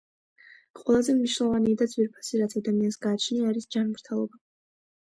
ყველაზე მნიშვნელოვანი და ძვიფასი, რაც ადამიანს გააჩნია არის ჯანმრთელობა.